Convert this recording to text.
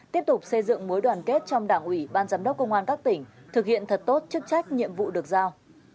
tiếp tục xây dựng mối đoàn kết trong đảng ủy ban giám đốc công an các tỉnh thực hiện thật tốt chức trách nhiệm vụ được giao